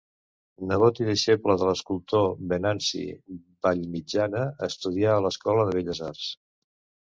Nebot i deixeble de l'escultor Venanci Vallmitjana, estudià a l'Escola de Belles Arts.